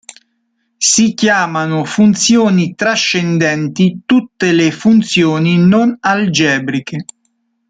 Si chiamano funzioni trascendenti tutte le funzioni non algebriche.